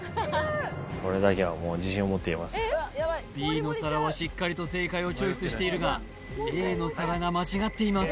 これだけはもうＢの皿はしっかりと正解をチョイスしているがＡの皿が間違っています